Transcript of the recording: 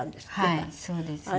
はいそうですね。